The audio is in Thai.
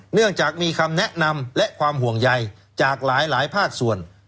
เนื่องจากมีคำแนะนำและความห่วงใยจากหลายภาคส่วน